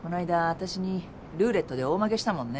私にルーレットで大負けしたもんね。